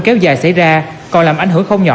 kéo dài xảy ra còn làm ảnh hưởng không nhỏ